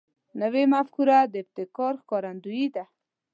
نوې مفکوره د ابتکار ښکارندوی ده